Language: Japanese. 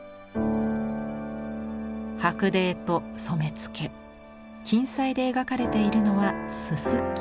白泥と染付金彩で描かれているのはすすき。